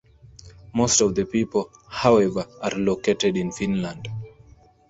Most of the schools however are located in Finland.